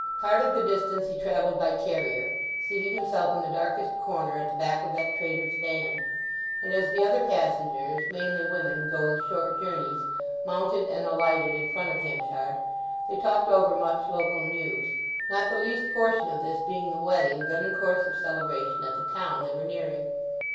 Part of the distance he travelled by carrier, seating himself in the darkest corner at the back of that trader's van; and as the other passengers, mainly women going short journeys, mounted and alighted in front of Henchard, they talked over much local news, not the least portion of this being the wedding then in course of celebration at the town they were nearing.